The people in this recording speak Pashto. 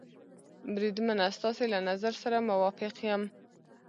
بریدمنه، ستاسې له نظر سره موافق یم.